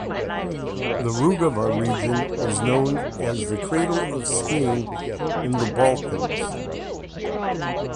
The Rugova region is known as the cradle of skiing in the Balkans.